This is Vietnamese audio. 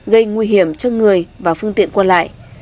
gây nguy hiểm cho người và phương tiện qua lại